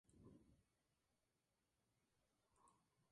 Dichas fichas acreditan la hacienda como propiedad de Eusebio Escalante.